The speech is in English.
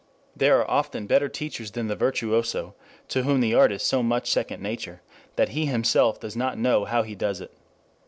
They are often better teachers than the virtuoso to whom the art is so much second nature that he himself does not know how he does it.